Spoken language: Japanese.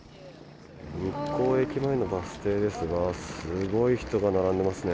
日光駅前のバス停ですが、すごい人が並んでますね。